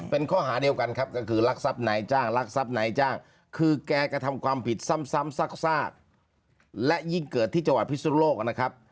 เป็นข้อหาเดียวกันครับก็คือรักทรัพย์นายจ้างรักทรัพย์นายจ้างคือแกกระทำความผิดซ้ำซากและยิ่งเกิดที่จังหวัดพิสุนโลกนะครับ